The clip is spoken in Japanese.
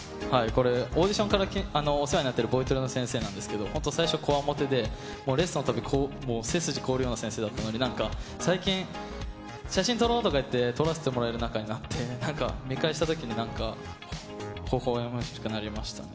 これ、オーディションからお世話になっているボイトレの先生なんですけど、本当最初、こわもてで、レッスンのとき、背筋凍るような先生だったのに、なんか最近、写真撮ろうとか言って、撮らせてもらえる仲になって、なんか見返したときになんか、ほほえましくなりましたね。